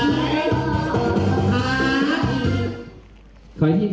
มันจะเอาไหล่